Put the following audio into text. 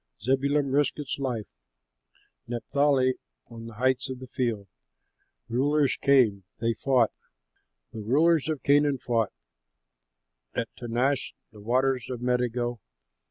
"Zebulun risked its life, Naphtali on the heights of the field. Rulers came, they fought, The rulers of Canaan fought At Taanach by the waters of Megiddo.